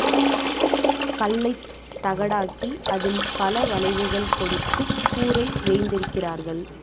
கல்லைத் தகடாக்கி அதில் பல வளைவுகள் கொடுத்துக் கூரை வேய்ந்திருக்கிறார்கள்.